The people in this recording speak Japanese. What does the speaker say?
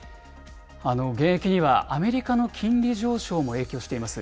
減益にはアメリカの金利上昇も影響しています。